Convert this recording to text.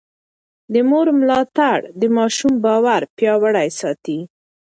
د مور ملاتړ د ماشوم باور پياوړی ساتي.